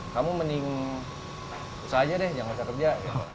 kamu mending usahanya deh jangan bekerja